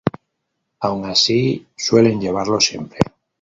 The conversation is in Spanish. Aun así, suelen llevarlo siempre.